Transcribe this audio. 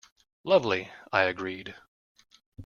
"Lovely," I agreed.